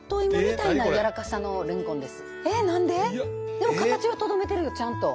でも形はとどめてるよちゃんと。